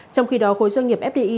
trong khi đó khối doanh nghiệp fdi